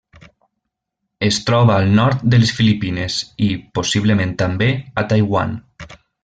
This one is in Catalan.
Es troba al nord de les Filipines i, possiblement també, a Taiwan.